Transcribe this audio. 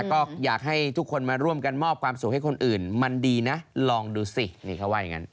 ก็อยากให้ทุกคนมาร่วมกันมอบความสุขให้คนอื่นมันดีนะลองดูสินี่เขาว่าอย่างนั้น